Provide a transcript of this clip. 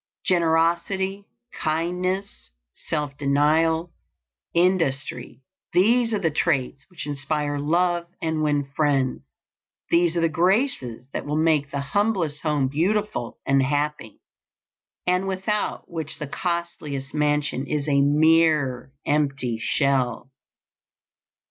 Generosity, kindness, self denial, industry these are the traits which inspire love and win friends. These are the graces that will make the humblest home beautiful and happy, and without which the costliest mansion is a mere empty shell.